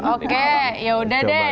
oke yaudah deh